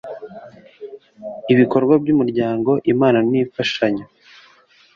ibikorwa by Umuryango impano n imfashanyo